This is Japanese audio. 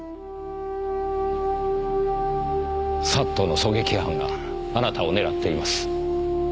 ＳＡＴの狙撃班があなたを狙っています。